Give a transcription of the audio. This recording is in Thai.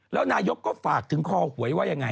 แล้วนายกก็ฝากถึงคอหวยว่ายังไง